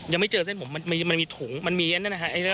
ยังไม่เจอเส้นผมมันมีถุงมันมีอันนั้นนะฮะ